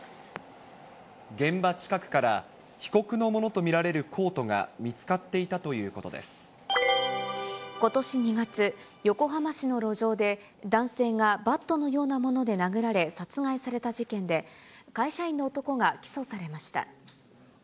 現場近くから被告のものと見られるコートが見つかっていたとことし２月、横浜市の路上で、男性がバットのようなもので殴られ、殺害された事件で、会社員の男が起訴されました。